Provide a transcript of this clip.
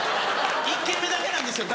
１軒目だけなんですよ